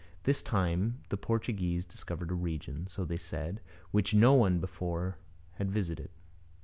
This time the Portuguese discovered a region, so they said, which no one had before visited.